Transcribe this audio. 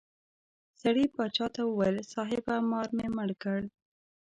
سړي باچا ته وویل صاحبه مار مې مړ کړ.